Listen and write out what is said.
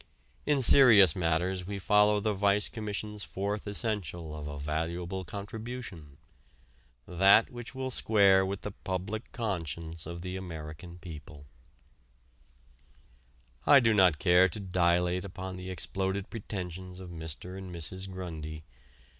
In serious matters we follow the Vice Commission's fourth essential of a valuable contribution that which will square with the public conscience of the American people. I do not care to dilate upon the exploded pretensions of Mr. and Mrs. Grundy.